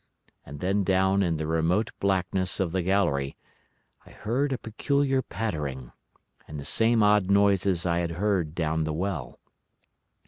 And then down in the remote blackness of the gallery I heard a peculiar pattering, and the same odd noises I had heard down the well.